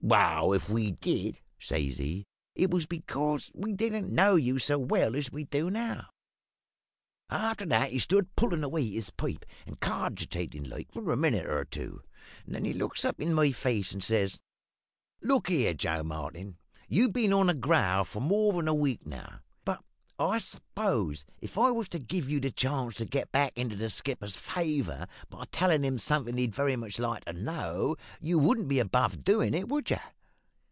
"`Well, if we did,' says he, `it was because we didn't know you so well as we do now.' "After that he stood pullin' away at his pipe, and cogitatin' like, for a minute or two; and then he looks up in my face, and says "`Look here, Joe Martin, you've been on the growl for more'n a week now; but I s'pose if I was to give you the chance to get back into the skipper's favour by tellin' him somethin' he'd very much like to know, you wouldn't be above doin' it, would you?'